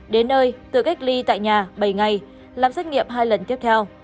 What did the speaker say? đến nơi tự cách ly tại nhà bảy ngày làm xét nghiệm hai lần tiếp theo